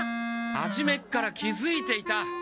はじめっから気づいていた！